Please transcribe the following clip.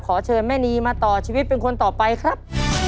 ขอเชิญแม่นีมาต่อชีวิตเป็นคนต่อไปครับ